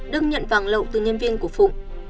đức nhận vàng lậu từ nhân viên của phụng